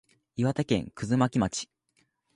岩手県葛巻町